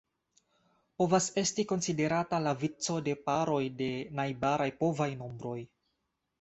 Povas esti konsiderata la vico de paroj de najbaraj povaj nombroj.